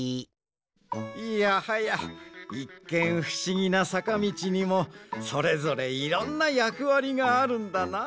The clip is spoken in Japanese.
いやはやいっけんふしぎなさかみちにもそれぞれいろんなやくわりがあるんだなあ。